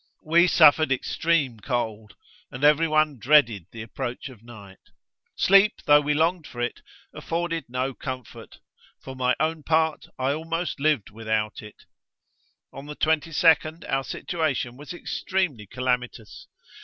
We suffered extreme cold, and every one dreaded the approach of night. Sleep, though we longed for it, afforded no comfort; for my own part, I almost lived without it. On the 22nd, our situation was extremely calamitous.